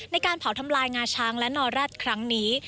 ในการเผาทำลายงาช้างและนอแร็ดครั้งนี้